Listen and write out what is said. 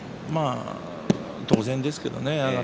当然ですけどね。